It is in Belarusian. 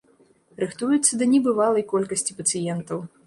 Рыхтуюцца да небывалай колькасці пацыентаў.